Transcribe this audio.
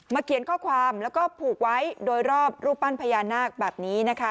เขียนข้อความแล้วก็ผูกไว้โดยรอบรูปปั้นพญานาคแบบนี้นะคะ